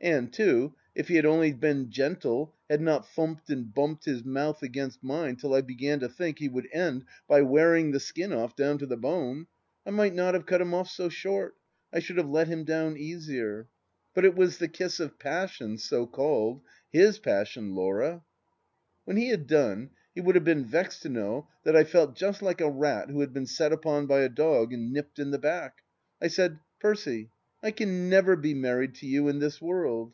And, too, if he had only been gentle, had not thumped and bumped his mouth against mine till I began to think he would end by wearing the skin off, down to the bone, I might not have cut him oft so short: I should have let him down easier. But it was the kiss of passion, so called. ... His passion, Laura ! When he had done he would have been vexed to know that I felt just like a rat who has been set upon by a dog and nipped in the back. I said :" Percy, I can never be married to you in this world."